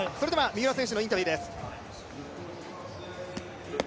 三浦選手のインタビューです。